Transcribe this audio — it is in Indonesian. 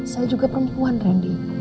saya juga perempuan ren